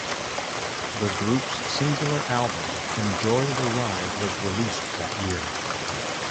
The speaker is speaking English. The group's singular album, "Enjoy the Ride", was released that year.